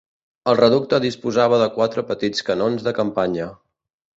El reducte disposava de quatre petits canons de campanya.